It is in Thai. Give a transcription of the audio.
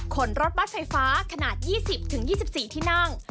รถบัตรไฟฟ้าขนาด๒๐๒๔ที่นั่ง